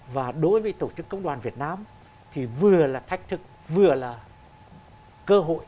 và đối với tổ chức công đoàn việt nam thì vừa là thách thức vừa là cơ hội